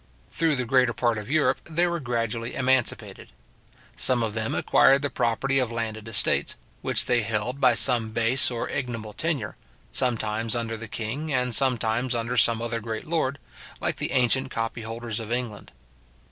Through the greater part of Europe, they were gradually emancipated. Some of them acquired the property of landed estates, which they held by some base or ignoble tenure, sometimes under the king, and sometimes under some other great lord, like the ancient copy holders of England.